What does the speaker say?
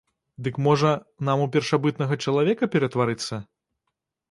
Дык, можа, нам у першабытнага чалавека ператварыцца?